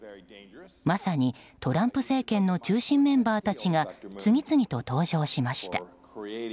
まさにトランプ政権の中心メンバーたちが次々と登場しました。